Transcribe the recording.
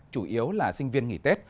chủ yếu là sinh viên nghỉ tết